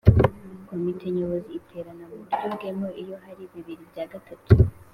Komite Nyobozi iterana mu buryo bwemewe iyo hari bibiri bya gatatu